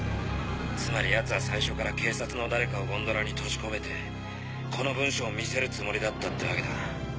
つまり奴は最初から警察の誰かをゴンドラに閉じ込めてこの文章を見せるつもりだったってわけだ。